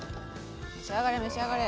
召し上がれ召し上がれ！